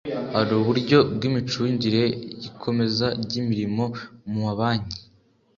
hari uburyo bw imicungire y ikomeza ry imirimo mu mabanki